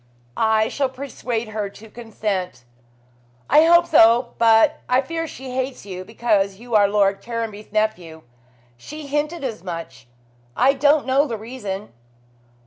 "I shall persuade her to consent." "I hope so; but I fear she hates you because you are Lord Caranby's nephew. She hinted as much. I don't know the reason."